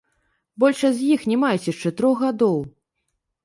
Большасць з іх не маюць яшчэ трох гадоў.